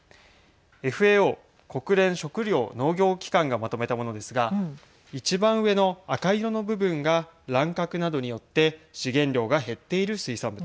ＦＡＯ＝国連食糧農業機関がまとめたものですが一番上の赤色の部分が乱獲などによって資源量が減っている水産物。